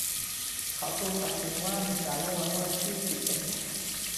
เขาถูกตัดสินว่ามีการล่วงละเมิดที่ผิดกฎหมาย